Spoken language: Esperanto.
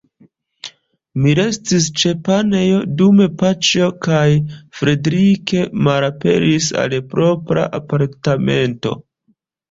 Mi restis ĉe Panjo, dum Paĉjo kaj Fredrik malaperis al propra apartamento.